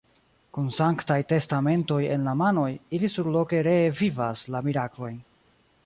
Kun sanktaj testamentoj en la manoj, ili surloke ree vivas la miraklojn.